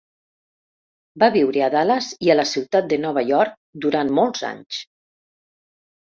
Va viure a Dallas i a la ciutat de Nova York durant molts anys.